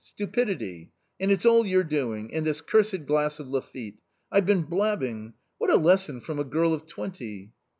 stupidity ! and it's all your doing, and this cursed glass of Lafitte ! I've been blabbing ! What a lesson from a girl of twenty